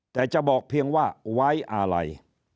แต่จะบอกเพียงว่าไว้อะไร